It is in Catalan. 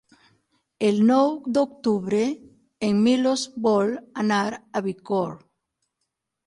El nou d'octubre en Milos vol anar a Bicorb.